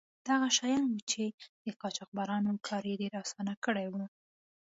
دا هغه شیان وو چې د قاچاقبرانو کار یې ډیر آسانه کړی و.